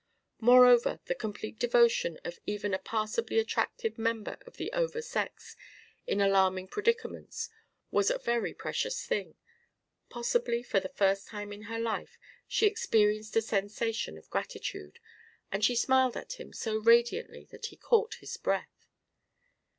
Moreover, the complete devotion of even a passably attractive member of the over sex in alarming predicaments was a very precious thing. Possibly for the first time in her life she experienced a sensation of gratitude, and she smiled at him so radiantly that he caught his breath.